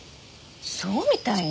そうみたいね。